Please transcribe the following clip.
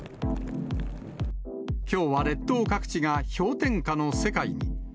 きょうは列島各地が氷点下の世界に。